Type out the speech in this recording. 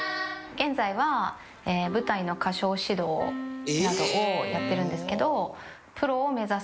現在は舞台の歌唱指導などをやってるんですけど。